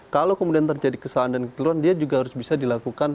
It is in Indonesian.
kalau kemudian terjadi kesalahan dan kekeluaran dia juga harus bisa dilakukan